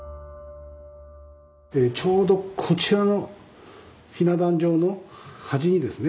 ちょうどこちらのひな壇上の端にですね